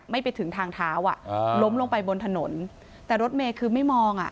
ไปถึงทางเท้าอ่ะอ่าล้มลงไปบนถนนแต่รถเมย์คือไม่มองอ่ะ